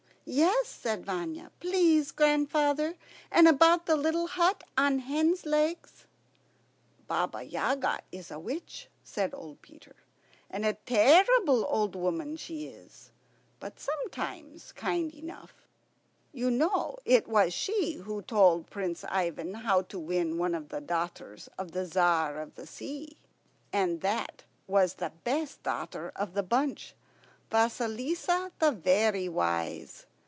"Yes," said Vanya, "please, grandfather, and about the little hut on hen's legs." "Baba Yaga is a witch," said old Peter; "a terrible old woman she is, but sometimes kind enough. You know it was she who told Prince Ivan how to win one of the daughters of the Tzar of the Sea, and that was the best daughter of the bunch, Vasilissa the Very Wise.